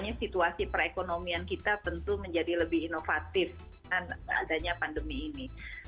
jadi situasi perekonomian kita tentu menjadi lebih inovatif dengan adanya pandemi ini